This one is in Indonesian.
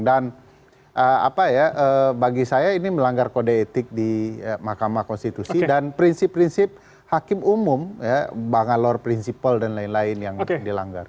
dan bagi saya ini melanggar kode etik di makam konstitusi dan prinsip prinsip hakim umum ya bangalore principle dan lain lain yang dilanggar